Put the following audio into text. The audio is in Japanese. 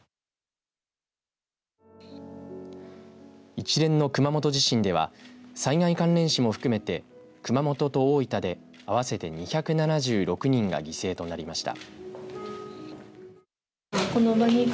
一連の熊本地震では災害関連死も含めて熊本と大分で合わせて２７６人が犠牲となりました。